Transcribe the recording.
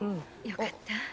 よかった。